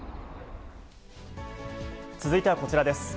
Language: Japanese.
続いてはこちらです。